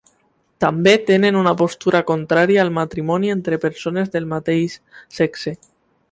També tenen una postura contrària al matrimoni entre persones del mateix sexe.